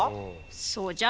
そうじゃ。